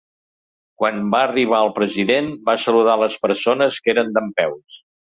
Quan va arribar el president, va saludar les persones que eren dempeus.